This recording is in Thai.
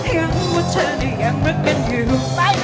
ยังว่าเธอเนี่ยยังรักกันอยู่